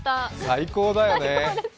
最高だよね。